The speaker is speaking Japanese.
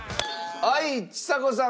はいちさ子さん